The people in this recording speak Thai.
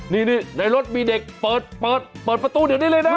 นี่ในรถมีเด็กเปิดเปิดประตูเดี๋ยวนี้เลยนะ